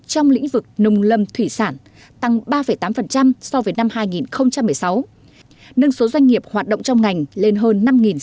trong lĩnh vực nông lâm thủy sản tăng ba tám so với năm hai nghìn một mươi sáu nâng số doanh nghiệp hoạt động trong ngành lên hơn năm sáu trăm linh